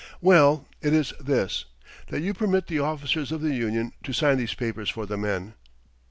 "Well, it is this: That you permit the officers of the union to sign these papers for the men."